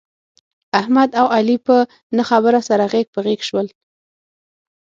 احمد او علي په نه خبره سره غېږ په غېږ شول.